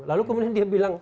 lalu kemudian dia bilang